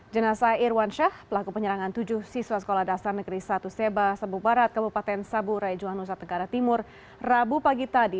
jenasa irwan syah pelaku penyerangan tujuh siswa sekolah dasar negeri satu seba sabu barat kabupaten sabu rai juanusa tenggara timur rabu pagi tadi